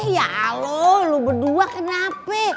ya allah lu berdua kenapa